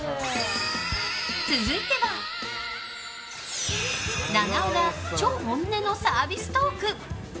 続いては菜々緒が超本音のサービストーク。